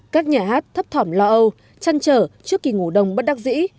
các nhà hát thấp thỏm lo âu chăn trở trước kỳ ngủ đông bất đắc dĩ